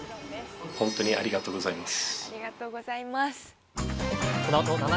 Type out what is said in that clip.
ありがとうございます。